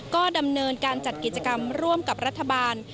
ก็ดำเนินการจัดกิจกรรมร่วมกับรัฐบาล